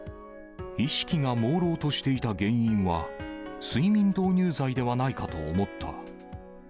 意識がもうろうとしていた原因は、睡眠導入剤ではないかと思った。